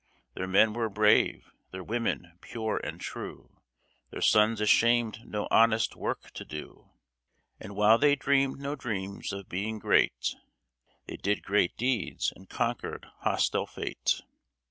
Their men were brave ; their women pure and true ; Their sons ashamed no honest work to do ; And while they dreamed no dreams of being great, They did great deeds, and conquered hostile Fate.